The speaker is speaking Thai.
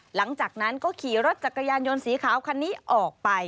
หลังจากนั้นก็ขี่รถจักรยานยนต์สีขาวคันนี้ออกไป